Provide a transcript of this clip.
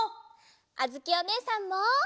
あづきおねえさんも。